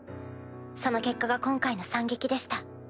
その結果が今回の惨劇でした。